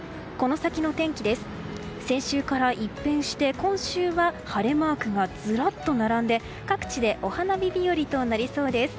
先週から一変して今週は晴れマークがずらっと並んで各地でお花見日和となりそうです。